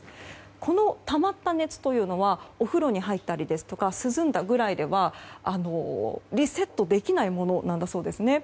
このたまった熱というのはお風呂に入ったり涼んだくらいではリセットできないものなんだそうですね。